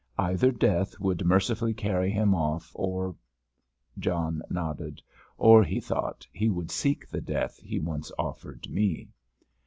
Either death would mercifully carry him off, or——" John nodded, "or," he thought, "he would seek the death he once offered me."